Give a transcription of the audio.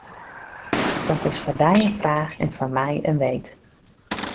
Dat is foar dy in fraach en foar my in weet.